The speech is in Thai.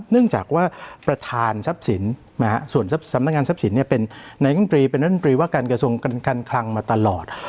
เนื่องจากว่าประธานทรัพย์สินส่วนสำนักงานทรัพย์สินเป็นนายกรรมตรีเป็นรัฐมนตรีว่าการกระทรวงการคลังมาตลอด